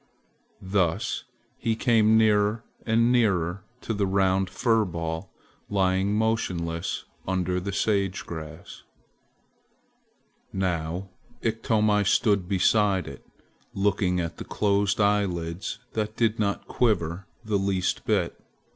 Thus he came nearer and nearer to the round fur ball lying motionless under the sage grass. Now Iktomi stood beside it, looking at the closed eyelids that did not quiver the least bit.